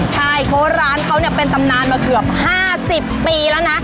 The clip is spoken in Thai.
ใช่เพราะร้านเขาเนี่ยเป็นตำนานมาเกือบ๕๐ปีแล้วนะ